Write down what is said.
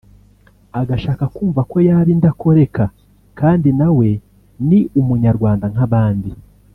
agashaka kumva ko yaba indakoreka kandi nawe ni umunyarwanda nk’abandi